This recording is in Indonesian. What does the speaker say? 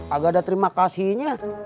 auk lo agak ada terima kasihnya